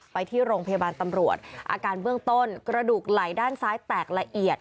ไปที่โรงพยาบาลตำรวจอาการเบื้องต้นกระดูกไหลด้านซ้ายแตกละเอียด